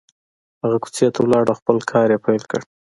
هغه کوڅې ته ولاړ او خپل کار يې پيل کړ.